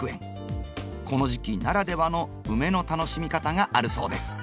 この時期ならではのウメの楽しみ方があるそうです。